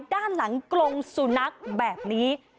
ด้านหลังกรงสุนัขแบบนี้